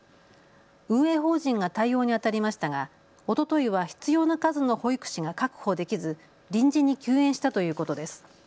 運営法人が対応にあたりましたがおとといは必要な数の保育士が確保できず臨時に休園したということです。